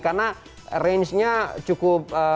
karena rangenya cukup